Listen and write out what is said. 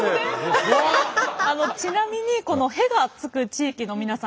ちなみに「戸」が付く地域の皆さん